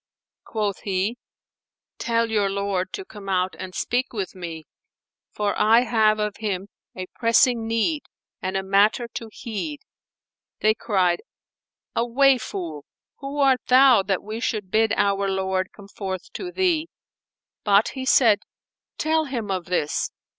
Quoth he, "Tell your lord to come out and speak with me, for I have of him a pressing need and a matter to heed." They cried, "Away, fool! who art thou that we should bid our lord come forth to thee?" But he said, "Tell him of this."